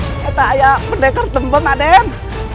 kita ayah pendekar tembang den